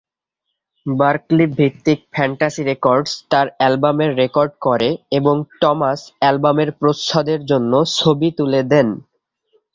বার্কলি-ভিত্তিক Fantasy Records তার অ্যালবামের record করে, এবং টমাস অ্যালবামের প্রচ্ছদের জন্য ছবি তুলে দেন।